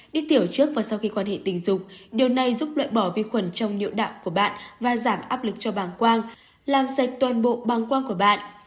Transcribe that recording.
đi tiểu trước và sau khi quan hệ tình dục điều này giúp loại bỏ vi khuẩn trong niệu đạo của bạn và giảm áp lực cho bằng quang làm sạch toàn bộ bằng quang của bạn